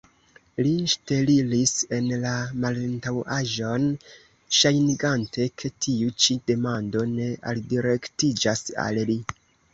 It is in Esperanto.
Li ŝteliris en la malantaŭaĵon, ŝajnigante, ke tiu ĉi demando ne aldirektiĝas al li.